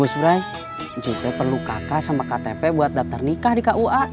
bos brai cucu itu perlu kakak sama ktp buat daftar nikah di kua